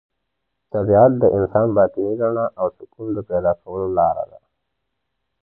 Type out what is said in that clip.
طبیعت د انسان د باطني رڼا او سکون د پیدا کولو لاره ده.